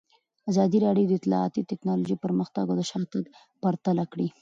ازادي راډیو د اطلاعاتی تکنالوژي پرمختګ او شاتګ پرتله کړی.